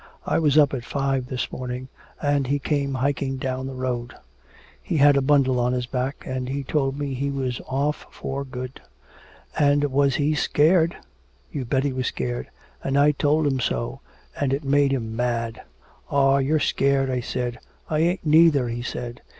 I was up at five this morning and he came hiking down the road! He had a bundle on his back and he told me he was off for good! And was he scared? You bet he was scared! And I told him so and it made him mad! 'Aw, you're scared!' I said. 'I ain't neither!' he said.